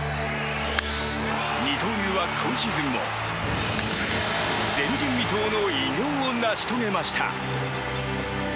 二刀流は今シーズンも前人未到の偉業を成し遂げました。